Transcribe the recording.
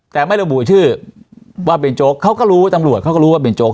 แต่ไม่ระบุชื่อว่าเป็นโจ๊กเขาก็รู้ตำรวจเขาก็รู้ว่าเป็นโจ๊ก